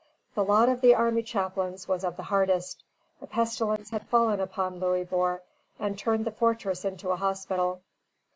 The lot of the army chaplains was of the hardest. A pestilence had fallen upon Louisbourg, and turned the fortress into a hospital.